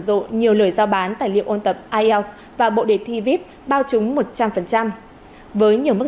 rộ nhiều lời giao bán tài liệu ôn tập ielts và bộ đề thi vip bao trúng một trăm linh với nhiều mức